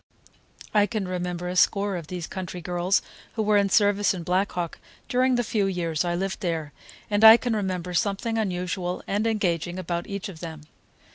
I can remember a score of these country girls who were in service in Black Hawk during the few years I lived there, and I can remember something unusual and engaging about each of them.